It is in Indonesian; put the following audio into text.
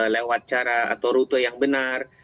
lewat cara atau rute yang benar